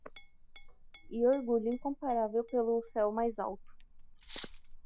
E orgulho incomparável pelo céu mais alto